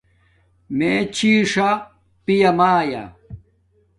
میے چھی ݽآ پیا مایا